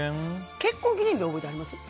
結婚記念日、覚えてはります？